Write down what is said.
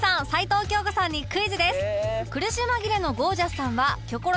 齊藤京子さんにクイズです